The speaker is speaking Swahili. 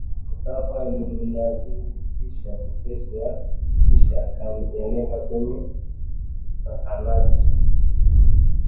Mustafa alimnadhifisha upesi na kisha akampeleka kwenye zahanati